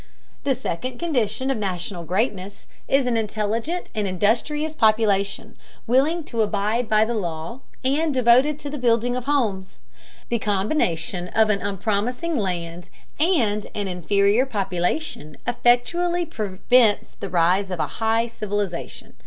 The second condition of national greatness is an intelligent and industrious population, willing to abide by the law, and devoted to the building of homes. The combination of an unpromising land and an inferior population effectually prevents the rise of a high civilization.